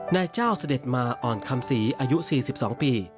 นายเจ้าเสด็จมาอ่อนคำศรีอายุ๔๒ปี